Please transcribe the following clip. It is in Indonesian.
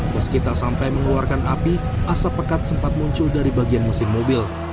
meski tak sampai mengeluarkan api asap pekat sempat muncul dari bagian mesin mobil